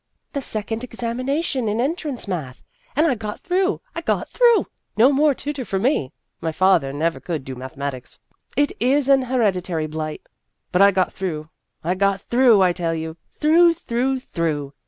" The second examination in entrance math. And I got through ! I got through ! No more tutor for me ! My father never could do mathematics. It is an hereditary blight. But I got through ! I got through, I tell you through, through, through